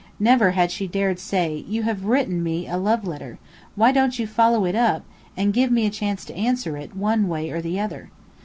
Never had she dared say: "You have written me a love letter. Why don't you follow it up, and give me a chance to answer it, one way or the other?"